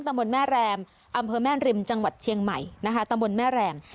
ตำบลแม่แรมอำเภอแม่ริมจังหวัดเชียงใหม่นะคะตำบลแม่แรม